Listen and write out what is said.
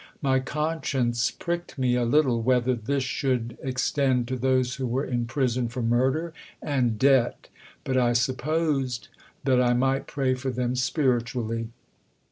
My conscience pricked me a little whether this should extend to those who were in prison for murder and debt, but I supposed that I might pray for them spiritually.